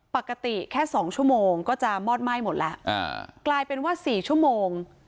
ปกติแค่๒ชั่วโมงก็จะมอดไหม้หมดแล้วกลายเป็นว่า๔ชั่วโมง